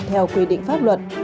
theo quy định pháp luật